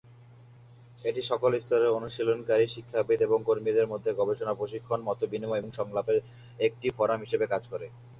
এটি সকল স্তরের অনুশীলনকারী, শিক্ষাবিদ এবং কর্মীদের মধ্যে গবেষণা, প্রশিক্ষণ, মতবিনিময় এবং সংলাপের জন্য একটি ফোরাম হিসাবে কাজ করে।